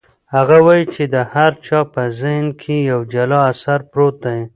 هغه وایي چې د هر چا په ذهن کې یو جلا اثر پروت دی.